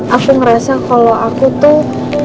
aku ngerasa kalau aku tuh